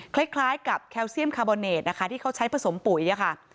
คล้ายกับแคลเซียมคาร์บอเนตนะคะที่เขาใช้ผสมปุ๋ยค่ะ